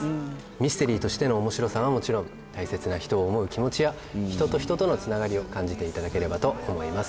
ミステリーとしての面白さはもちろん大切な人を思う気持ちや人と人とのつながりを感じていただければと思います